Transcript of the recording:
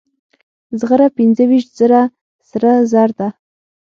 زغره پنځه ویشت زره سره زر ده.